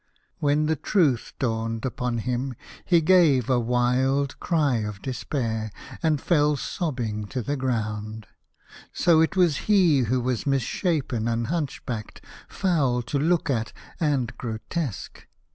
When the truth dawned upon him, he gave 58 The Birthday of the Infanta. a wild cry of despair, and fell sobbing to the ground. So it was he who was misshapen and hunchbacked, foul to look at and gro tesque.